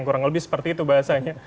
kurang lebih seperti itu bahasanya